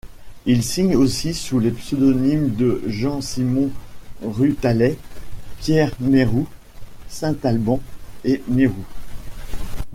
Il signe aussi sous les pseudonymes de Jean-Simon Rutalais, Pierre Mérou, Saint-Alban et Mérou.